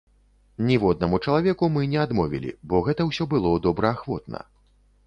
Ніводнаму чалавеку мы не адмовілі, бо гэта ўсё было добраахвотна.